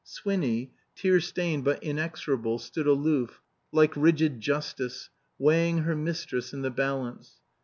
Swinny, tear stained but inexorable, stood aloof, like rigid Justice, weighing her mistress in the balance.